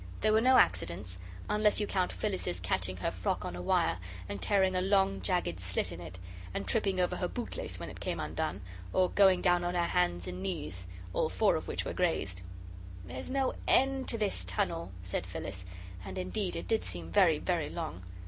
There were no accidents unless you count Phyllis's catching her frock on a wire, and tearing a long, jagged slit in it, and tripping over her bootlace when it came undone, or going down on her hands and knees, all four of which were grazed. "There's no end to this tunnel," said Phyllis and indeed it did seem very very long.